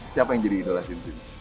siapa yang jadi idola sinsin